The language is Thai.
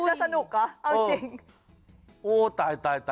จะสนุกเหรอเอาจริง